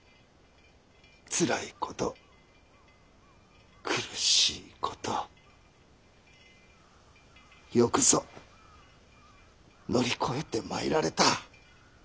つらいこと苦しいことよくぞ乗り越えてまいられた。